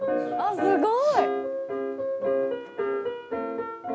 すごーい。